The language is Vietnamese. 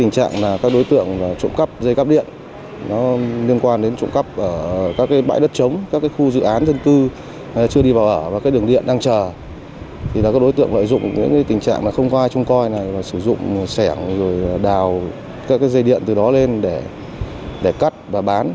các đối tượng lợi dụng những tình trạng không có ai trung coi sử dụng sẻng đào các dây điện từ đó lên để cắt và bán